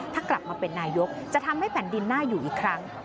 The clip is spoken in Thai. ถ้ากลับมาเป็นนายกจะทำให้แผ่นดินน่าอยู่อีกครั้ง